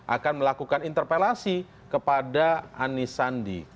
akan melakukan interpelasi kepada anies sandi